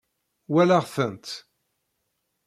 Walaɣ-tent.